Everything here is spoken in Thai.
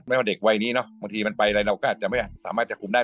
ว่าเด็กวัยนี้เนอะบางทีมันไปอะไรเราก็อาจจะไม่สามารถจับกลุ่มได้